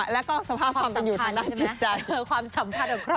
แล้วก็สภาพความเป็นอยู่ทางบ้านความสัมพันธ์กับครอบครัว